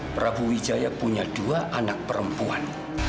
prabu wijaya punya dua anak perempuan